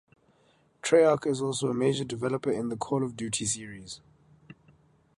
Treyarch is also a major developer in the "Call of Duty" series.